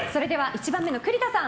１番目の栗田さん